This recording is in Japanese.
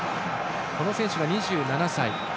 この選手は２７歳。